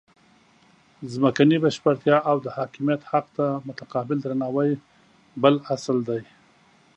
ځمکنۍ بشپړتیا او د حاکمیت حق ته متقابل درناوی بل اصل دی.